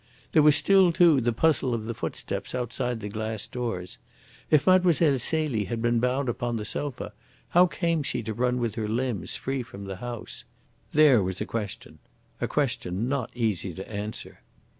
There was still, too, the puzzle of the footsteps outside the glass doors. If Mlle. Celie had been bound upon the sofa, how came she to run with her limbs free from the house? There was a question a question not easy to answer."